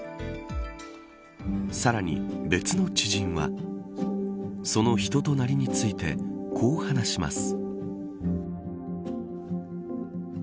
さらに別の知人はその人となりについてこう話します。